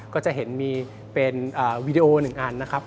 ก็จะเห็นมีเป็นวีดีโอ๑อันนะครับ